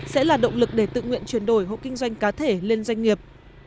sẽ là động lực để tự nguyện chuyển đổi hộ kinh doanh cá thể lên doanh nghiệp